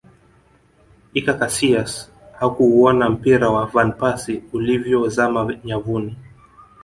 iker casilas hakuuona mpira wa van persie ulivyozama nyavuni